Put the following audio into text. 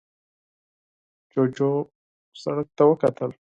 جوجو سرک ته وکتل.